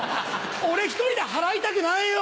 俺１人で払いたくないよ！